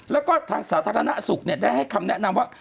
แล้วก็ทางสาธารณสุขได้ให้คำแนะนำว่า